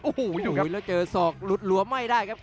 โอ้โหดูแล้วเจอศอกหลุดหลวมไม่ได้ครับ